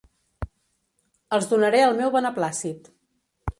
Els donaré el meu beneplàcit.